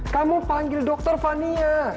kamu panggil dokter fania